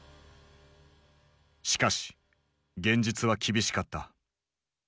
しかし現実は厳しかった。